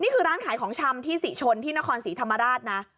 นี่คือร้านขายของชำที่ศรีชนที่นครศรีธรรมราชนะ